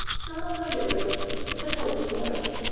Donal wondered a little, but hoped more.